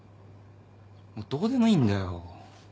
もうどうでもいいんだよ。